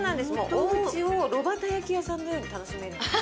おうちを炉端焼き屋さんのように楽しめるんです。